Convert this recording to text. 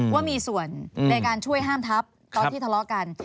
ว่ามีส่วนในการช่วยห้ามทับตอนที่ทะเลาะกัน